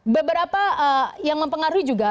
beberapa yang mempengaruhi juga